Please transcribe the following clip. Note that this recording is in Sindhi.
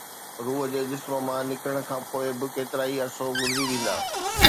روح جي جسم مان نڪرڻ کان پوءِ به ڪيترائي عرصو گذري ويندا